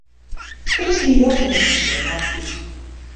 Der is gjin jild mear en dêrmei út.